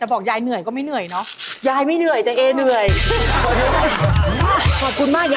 ให้บอกว่าส่อยเว้าเองครับ